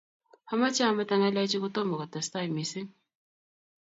Amoche amete ngalechu kotomo kotestai mising